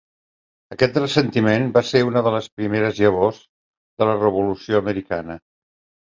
Aquest ressentiment va ser una de les primeres llavors de la Revolució americana.